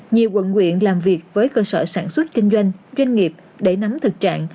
nhiều quận nguyện làm việc với cơ sở sản xuất kinh doanh doanh nghiệp để nắm thực trạng